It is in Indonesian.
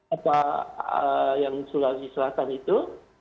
apa yang sulawesi selatan itu